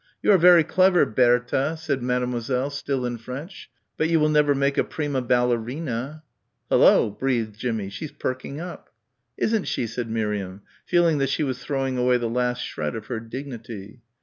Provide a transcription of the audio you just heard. "You are very clever Bair ta," said Mademoiselle, still in French, "but you will never make a prima ballerina." "Hulloh!" breathed Jimmie, "she's perking up." "Isn't she," said Miriam, feeling that she was throwing away the last shred of her dignity.